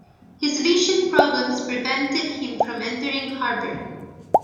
His vision problems prevented him from entering Harvard.